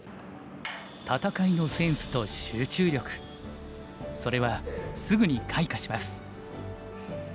戦いのセンスと集中力それはすぐに開花します。